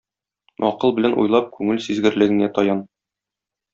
Акыл белән уйлап күңел сизгерлегеңә таян.